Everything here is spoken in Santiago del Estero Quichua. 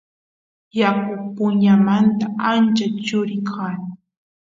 yaku puñumanta ancha churi kan